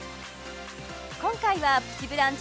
今回は「プチブランチ」